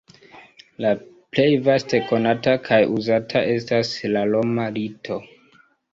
La plej vaste konata kaj uzata estas la roma rito.